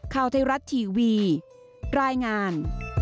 ข่าวไทยรัฐทีวีรายงาน